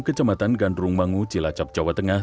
kecamatan gandrung mangu jelacap jawa tengah